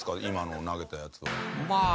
今の投げたやつは。